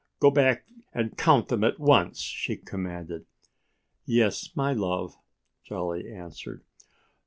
"Go back and count them at once!" she commanded. "Yes, my love!" Jolly answered.